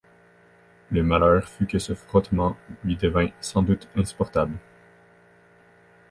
Le malheur fut que ce frottement lui devint sans doute insupportable.